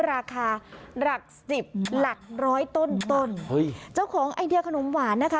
ราคาหลักสิบหลักร้อยต้นต้นเฮ้ยเจ้าของไอเดียขนมหวานนะคะ